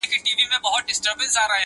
کيږي او ژورېږي,